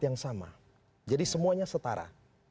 yang sama jadi semuanya setara